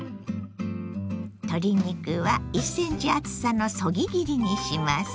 鶏肉は１ｃｍ厚さのそぎ切りにします。